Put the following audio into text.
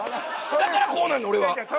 だからこうなるの俺は。